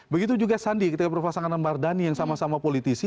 begitu juga sandi ketika berpasangan dengan mardhani yang sama sama politisi